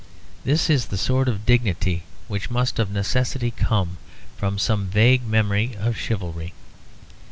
This is the sort of dignity which must of necessity come from some vague memory of chivalry.